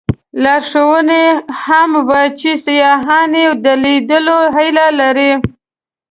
لارښوونې هم وې چې سیاحان یې د لیدلو هیله لري.